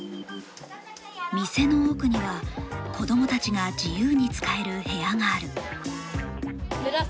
店の奥には、子供たちが自由に使える部屋がある。